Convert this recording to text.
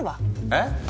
えっ？